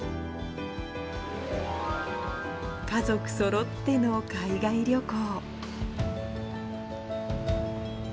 家族そろっての海外旅行。